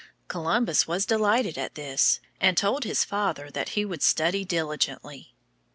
Columbus was delighted at this, and told his father that he would study diligently.